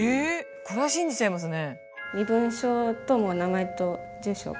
これは信じちゃいますね。